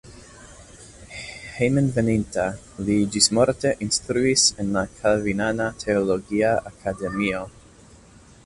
Hejmenveninta li ĝismorte instruis en la kalvinana teologia akademio.